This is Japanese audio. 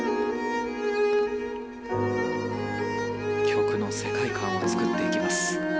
曲の世界観を作っていきます。